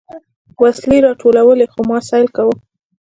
وسلې يې راټولولې خو ما سيل کاوه.